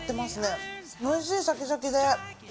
美味しいシャキシャキで。